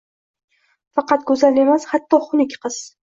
Faqat go’zal emas, hatto xunuk qiz